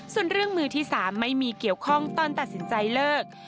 ส่วนเรื่องมือที่๓ไม่มีเกี่ยวข้องตอนตัดสินใจเลิก